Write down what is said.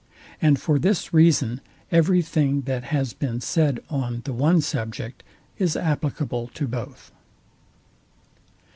And for this reason every thing that has been said on the one subject is applicable to both.